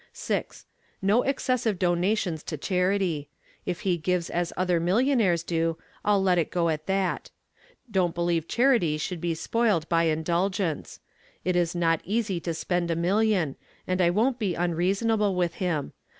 6. No excessive donations to charity. If he gives as other millionaires do I'll let it go at that. Don't believe charity should be spoiled by indulgence. It is not easy to spend a million, and I won't be unreasonable with him.